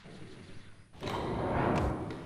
Se crió en Greenbelt, Maryland.